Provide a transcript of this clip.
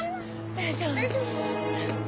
大丈夫？